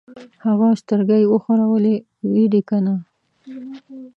هغه سترګۍ وښورولې: وي دې کنه؟